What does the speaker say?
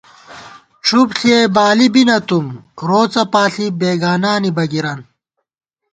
ڄُھپ ݪِیَئ بالِی بی نَہ تُم، روڅہ پاݪی بېگانانی بَگِرَن